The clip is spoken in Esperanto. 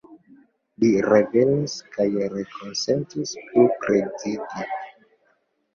Li revenis kaj rekonsentis plu prezidi.